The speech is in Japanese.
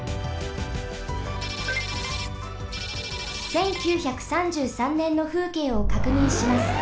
１９３３ねんのふうけいをかくにんします。